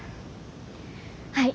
はい。